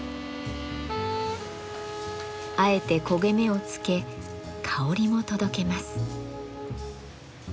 あえて焦げ目をつけ香りも届けます。